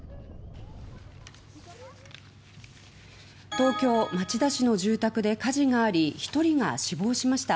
東京町田市の住宅で火事があり１人が死亡しました。